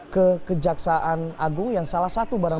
ke kejaksaan agung yang salah satu barang